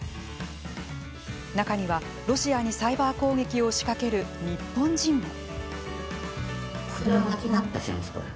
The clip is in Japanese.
中には、ロシアにサイバー攻撃を仕掛ける日本人も。